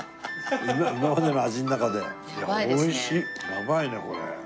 やばいねこれ。